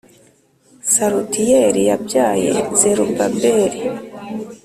Shalutiyeli yabyaye Zerubabeli,